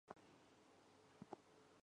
疙瘩银杏蟹为扇蟹科银杏蟹属的动物。